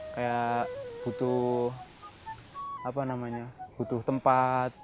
kayak butuh tempat